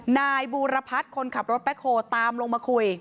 นายบูรพัฒน์คนขับรถแบ็คโฮตามลงมาคุย